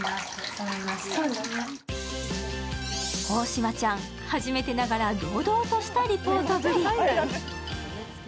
大島ちゃん、初めてながら堂々としたリポートぶり。